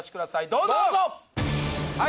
どうぞ！